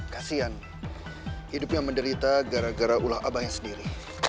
kasian hidupnya menderita gara gara ulah abah yang sendiri